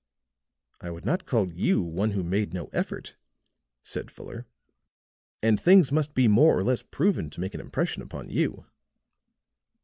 "I would not call you one who made no effort," said Fuller. "And things must need be more or less proven to make an impression upon you."